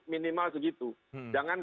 minimal segitu jangan